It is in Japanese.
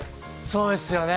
◆そうですよね。